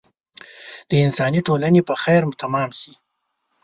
د انساني ټولنې په خیر تمام شي.